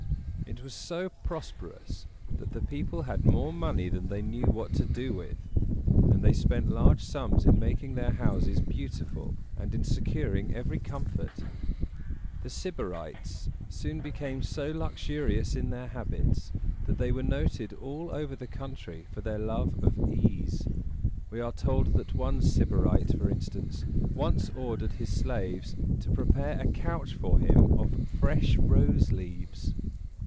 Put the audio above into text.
It was so prosperous that the people had more money than they knew what to do with; and they spent large sums in making their houses beautiful and in securing every comfort. The Syb´a rites soon became so luxurious in their habits, that they were noted all over the country for their love of ease. We are told that one Sybarite, for instance, once ordered his slaves to prepare a couch for him of fresh rose leaves.